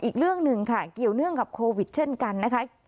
อีกเรื่องหนึ่งค่ะเกี่ยวเนื่องกับโควิดเช่นกันนะคะ